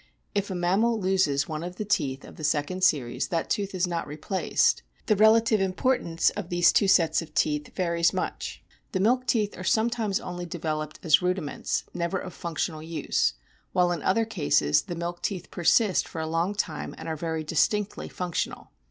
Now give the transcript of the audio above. If a mammal loses one of the teeth of the second series that tooth is not replaced. The relative importance of these two sets of teeth varies much. The milk teeth are sometimes only developed as rudiments, never of functional use, while in other cases the milk teeth persist for a long time, and are very distinctly functional.